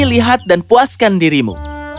lihat dan puaskan dirimu